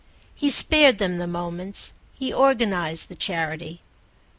He spared them the moments, he organised the charity.